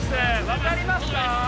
分かりますか？